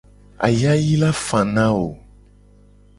Ayayi la fa na wo.